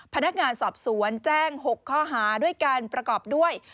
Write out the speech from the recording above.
พนักงานสอบสวนแจ้ง๖ข้อหาด้วยการประกอบด้วย